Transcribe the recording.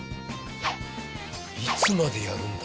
いつまでやるんだ？